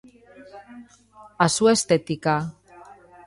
A súa estética.